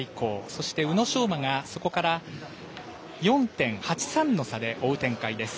そして宇野昌磨がそこから４．８３の差で追う展開です。